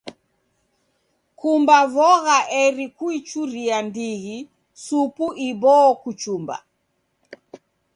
Kumba vogha eri kuichuria ndighi supu iboo kuchumba.